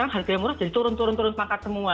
harga yang murah jadi turun turun semangkat semua